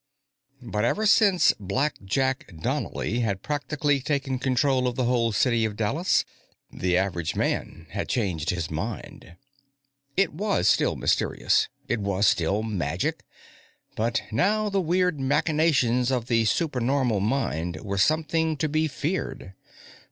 But ever since "Blackjack" Donnely had practically taken control of the whole city of Dallas, the average man had changed his mind. It was still mysterious; it was still magic; but now the weird machinations of the supernormal mind were something to be feared.